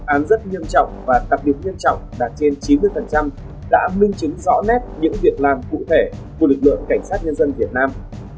án rất nghiêm trọng và đặc biệt nghiêm trọng đạt trên chín mươi đã minh chứng rõ nét những việc làm cụ thể của lực lượng cảnh sát nhân dân việt nam